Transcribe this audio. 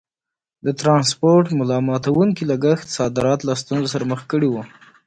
د ټرانسپورټ ملا ماتوونکي لګښت صادرات له ستونزو سره مخ کړي وو.